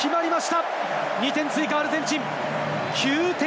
２点追加、アルゼンチン。